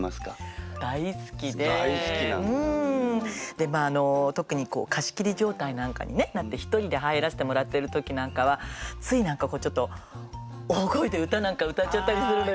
でまああの特に貸し切り状態なんかにねなって一人で入らせてもらってる時なんかはつい何かこうちょっと大声で歌なんか歌っちゃったりするのよね。